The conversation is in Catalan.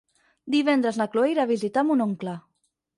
Divendres na Cloè irà a visitar mon oncle.